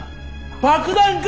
爆弾か？